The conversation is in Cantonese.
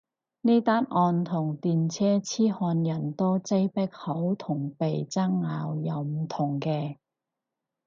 呢單案同電車痴漢人多擠迫口同鼻拗又唔同嘅